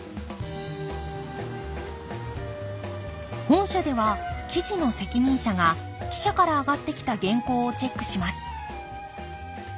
本社では記事の責任者が記者から上がってきた原稿をチェックします